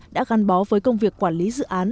đã gắn bó với công việc quản lý dự án